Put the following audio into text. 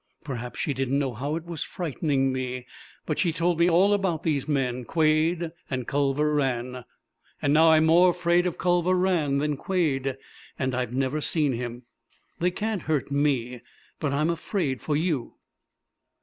Perhaps she didn't know how it was frightening me, but she told me all about these men Quade and Culver Rann. And now I'm more afraid of Culver Rann than Quade, and I've never seen him. They can't hurt me. But I'm afraid for you!"